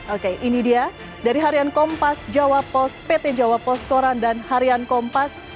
oke ini dia dari harian kompas jawa post pt jawa post koran dan harian kompas